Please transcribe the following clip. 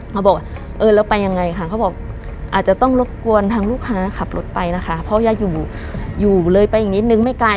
มาบอกเออเราไปยังไงค่ะเขาบอกอาจจะต้องรบกวนทางลูกค้าขับรถไปนะคะเพราะว่าอย่าอยู่อยู่เลยไปอีกนิดนึงไม่ไกล